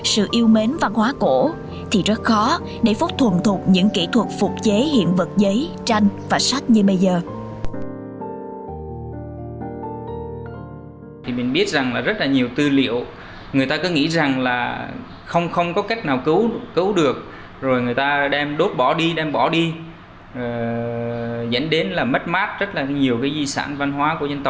sự yêu mến văn hóa cổ thì rất khó để phúc thuận thuộc những kỹ thuật phục chế hiện vật giấy tranh và sách như bây giờ